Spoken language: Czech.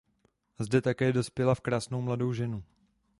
Zde také dospěla v krásnou mladou ženu.